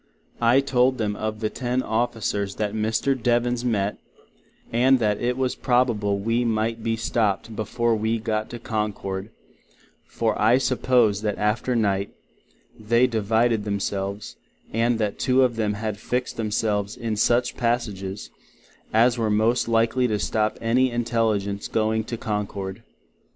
I told them of the ten officers that Mr. Devens mett, and that it was probable we might be stoped before we got to Concord; for I supposed that after Night, they divided them selves, and that two of them had fixed themselves in such passages as were most likely to stop any intelegence going to Concord.